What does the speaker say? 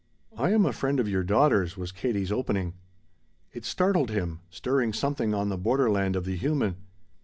"I am a friend of your daughter's," was Katie's opening. It startled him, stirring something on the borderland of the human.